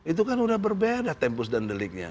itu kan udah berbeda tempus dan deliknya